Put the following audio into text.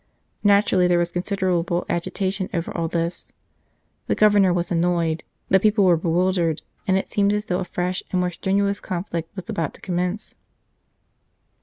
Naturally, there was considerable agitation over all this ; the Governor was annoyed, the people were bewildered, and it seemed as though a fresh and more strenuous conflict was about to com mence.